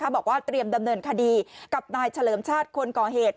บอกว่าเตรียมดำเนินคดีกับนายเฉลิมชาติคนก่อเหตุ